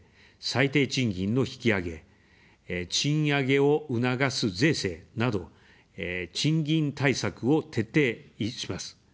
最低賃金の引き上げ、賃上げを促す税制など賃金対策を徹底します。